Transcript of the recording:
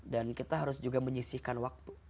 dan kita harus juga menyisihkan waktu